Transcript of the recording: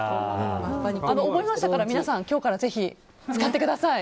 覚えましたから皆さん今日からぜひ使ってください。